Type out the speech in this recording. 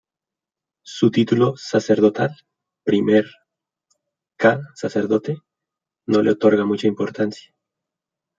Su título sacerdotal, "Primer 'k Sacerdote" no le otorga mucha importancia.